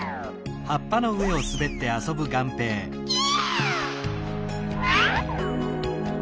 キャ！